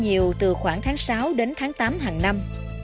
nhiều từ khoảng tháng sáu đến tháng tám hàng năm